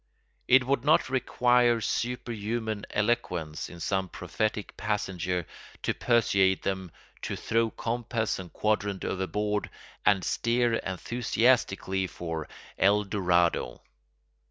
It would not require superhuman eloquence in some prophetic passenger to persuade them to throw compass and quadrant overboard and steer enthusiastically for El Dorado.